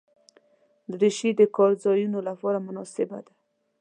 دریشي د کار ځایونو لپاره مناسبه ده.